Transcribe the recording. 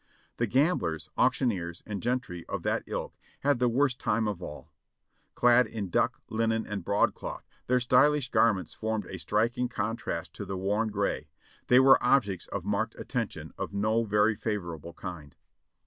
The gamblers, auctioneers and gentry of that ilk had the worst time of all. Clad in duck, linen, and broadcloth, their stylish garments formed a striking contrast to the worn gray; they were objects of marked attention of no very favorable kind.